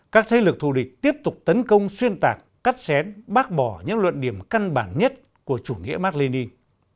các thế lực thù địch tiếp tục tấn công xuyên tạc cắt xén bác bỏ những luận điểm căn bản nhất của chủ nghĩa mạc li nin